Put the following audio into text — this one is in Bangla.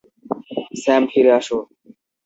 স্যাম, ফিরে আসো!